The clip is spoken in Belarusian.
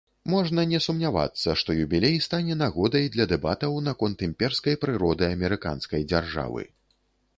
Можна не сумнявацца, што юбілей стане нагодай для дэбатаў наконт імперскай прыроды амерыканскай дзяржавы.